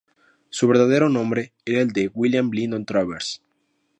Su verdadero nombre era el de William Lindon-Travers.